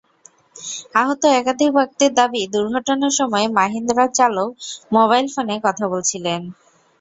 আহত একাধিক ব্যক্তির দাবি, দুর্ঘটনার সময় মাহিন্দ্রার চালক মোবাইল ফোনে কথা বলছিলেন।